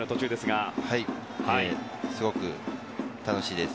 すごく楽しいです。